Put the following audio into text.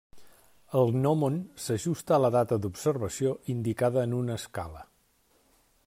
El gnòmon s'ajusta a la data d'observació, indicada en una escala.